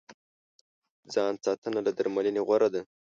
ځان ساتنه له درملنې غوره ده.